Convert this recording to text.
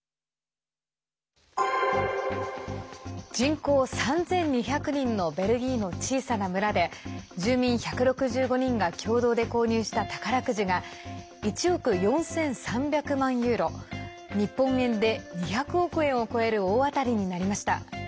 人口３２００人のベルギーの小さな村で住民１６５人が共同で購入した宝くじが１億４３００万ユーロ日本円で２００億円を超える大当たりになりました。